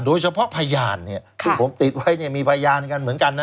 โดยเฉพาะพยานที่ผมติดไว้มีพยานกันเหมือนกันนะ